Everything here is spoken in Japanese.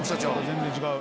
全然違う。